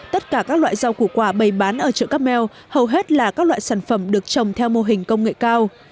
tất cả các loại rau củ quả bày bán ở chợ cáp meo hầu hết là các loại sản phẩm được trồng theo mô hình công nghệ cao